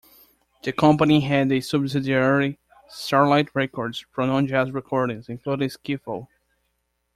The company had a subsidiary, Starlite Records, for non-jazz recordings, including skiffle.